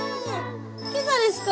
今朝ですか？